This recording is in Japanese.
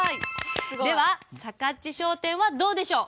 ではさかっち商店はどうでしょう。